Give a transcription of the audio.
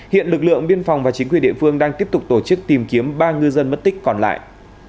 hiện lực lượng biên phòng và chính quyền địa phương đang tiếp tục tổ chức tìm kiếm ba ngư dân mất tích còn lại